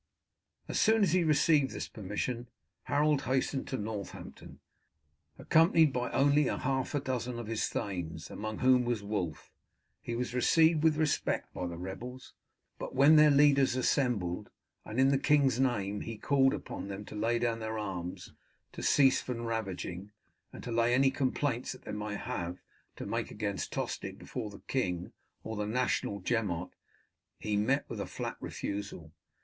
As soon as he received this permission Harold hastened to Northampton, accompanied by only half a dozen of his thanes, among whom was Wulf. He was received with respect by the rebels, but when their leaders assembled, and in the king's name he called upon them to lay down their arms, to cease from ravaging, and to lay any complaints they might have to make against Tostig before the king or the National Gemot, he met with a flat refusal.